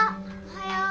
おはよう。